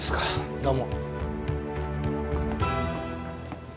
どうも。